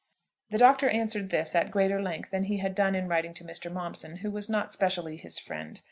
The Doctor answered this at greater length than he had done in writing to Mr. Momson, who was not specially his friend.